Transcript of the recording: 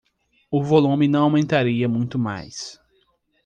O volume não aumentaria muito mais.